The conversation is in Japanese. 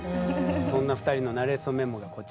そんな２人の「なれそメモ」がこちらです。